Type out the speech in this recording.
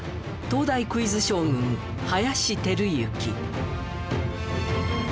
東大クイズ将軍林輝幸。